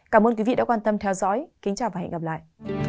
cảm ơn quý vị đã quan tâm theo dõi kính chào và hẹn gặp lại